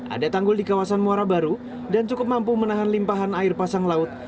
ada tanggul di kawasan muara baru dan cukup mampu menahan limpahan air pasang laut